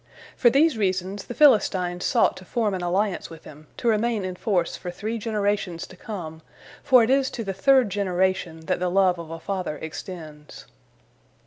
For these reasons, the Philistines sought to form an alliance with him, to remain in force for three generations to come, for it is to the third generation that the love of a father extends.